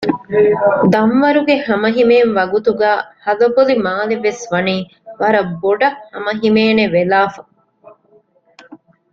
ދަންވަރުގެ ހަމަ ހިމޭން ވަގުތުގައި ހަލަބޮލި މާލެ ވެސް ވަނީ ވަރައް ބޮޑައް ހަމަހިމޭނެ ވެލާފަ